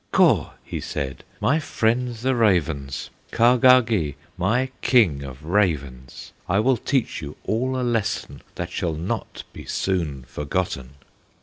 "Kaw!" he said, "my friends the ravens! Kahgahgee, my King of Ravens! I will teach you all a lesson That shall not be soon forgotten!"